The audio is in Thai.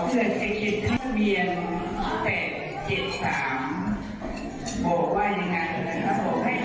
เจ็ดข้าวเบียงเจ็ดเจ็ดสามบอกว่ายังงั้นนะครับ